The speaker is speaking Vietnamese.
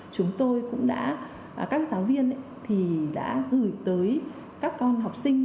chúng tôi cũng đã các giáo viên thì đã gửi tới các con học sinh